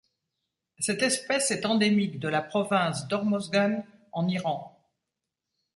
Cette espèce est endémique de la province d'Hormozgân en Iran.